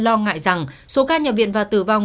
lo ngại rằng số ca nhập viện và tử vong